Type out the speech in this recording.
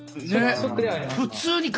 ショックではあります。